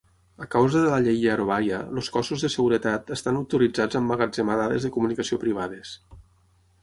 A causa de la llei Yarovaya, els cossos de seguretat estan autoritzats a emmagatzemar dades de comunicació privades.